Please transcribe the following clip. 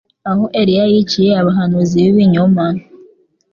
aho Eliya yiciye abahanuzi b'ibinyoma,